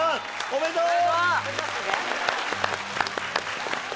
おめでとう！